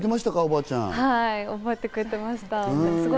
覚えてくれてましたか？